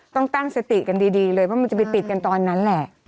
ต้องตั้งสติกันดีเลยเพราะมันจะไปติดกันตอนนั้นแหละ